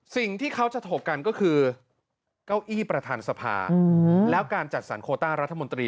สิ่งที่เขาจะถกกันก็คือเก้าอี้ประธานสภาแล้วการจัดสรรโคต้ารัฐมนตรี